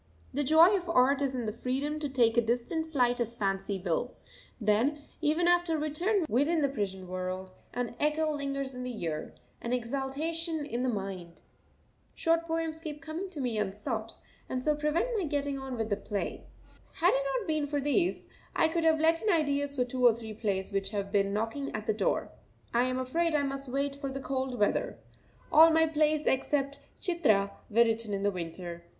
The joy of art is in freedom to take a distant flight as fancy will; then, even after return within the prison world, an echo lingers in the ear, an exaltation in the mind. Short poems keep coming to me unsought, and so prevent my getting on with the play. Had it not been for these, I could have let in ideas for two or three plays which have been knocking at the door. I am afraid I must wait for the cold weather. All my plays except "Chitra" were written in the winter.